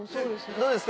どうですか